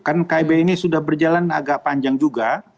kan kib ini sudah berjalan agak panjang juga